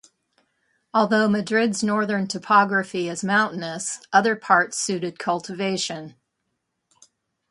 Although Madrid's northern topography is mountainous, other parts suited cultivation.